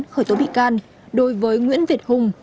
khởi tố bị can đối với nguyễn việt hùng